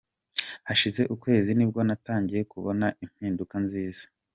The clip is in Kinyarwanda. Hashize ukwezi nibwo natangiye kubona impinduka nziza .